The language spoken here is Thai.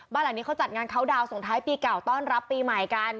บ้านหลังนี้เขาจัดงานเขาดาวนส่งท้ายปีเก่าต้อนรับปีใหม่กัน